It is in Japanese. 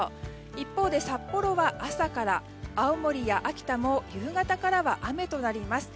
一方で札幌は朝から青森や秋田も夕方から雨となります。